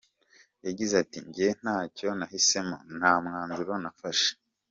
Yagize ati “Njye ntacyo nahisemo, nta mwanzuro nafashe.